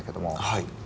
はい。